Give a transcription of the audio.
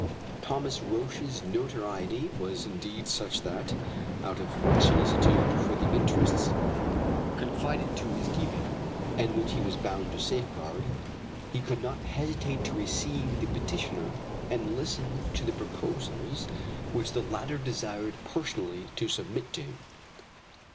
Thomas Roch's notoriety was indeed such that, out of solicitude for the interests confided to his keeping, and which he was bound to safeguard, he could not hesitate to receive the petitioner and listen to the proposals which the latter desired personally to submit to him.